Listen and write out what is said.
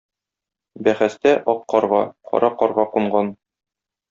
Бәхәстә — ак карга, кара карга кунган.